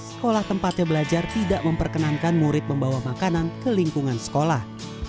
sekolah tempatnya belajar tidak memperkenankan murid membawa makanan ke lingkungan sekolah